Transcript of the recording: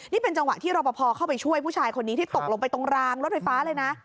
นี่เป็นจังหวะที่รอปภเข้าไปช่วยผู้ชายคนนี้ที่ตกลงไปตรงรางรถไฟฟ้าเลยนะ